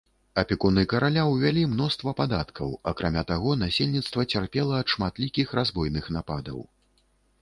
Апекуны караля ўвялі мноства падаткаў, акрамя таго, насельніцтва цярпела ад шматлікіх разбойных нападаў.